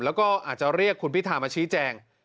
แล้วก็อาจจะเรียกคุณพิธามาชี้แจง